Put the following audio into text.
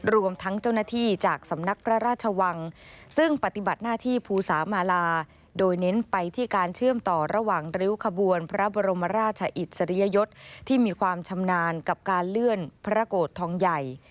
รวมทั้งเจ้าหน้าที่จากสำนักพระราชวังซึ่งปฏิบัติหน้าที่ภูสามาลาโดยเน้นไปที่การเชื่อมต่อระหว่างริ้วขบวนพระบรมราชอิสริยยศที่มีความชำนาญกับการเลื่อนพระโกรธทองใหญ่